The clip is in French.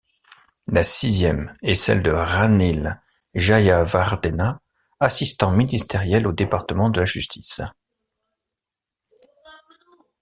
La sixième est celle de Ranil Jayawardena, assistant ministériel au département de la Justice.